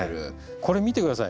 これ見て下さい。